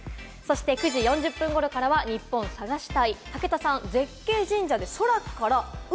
そして９時４０分頃からは、ニッポン探し隊！